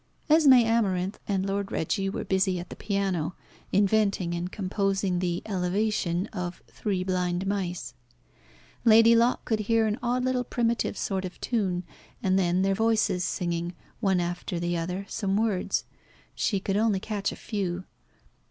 Esmé Amarinth and Lord Reggie were busy at the piano, inventing and composing the elevation of "Three blind mice." Lady Locke could hear an odd little primitive sort of tune, and then their voices singing, one after the other, some words. She could only catch a few.